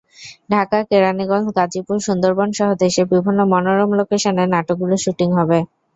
ঢাকা, কেরানীগঞ্জ, গাজীপুর, সুন্দরবনসহ দেশের বিভিন্ন মনোরম লোকেশনে নাটকগুলোর শুটিং হবে।